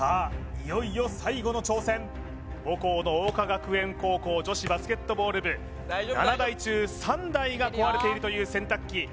いよいよ最後の挑戦母校の桜花学園高校女子バスケットボール部７台中３台が壊れているという洗濯機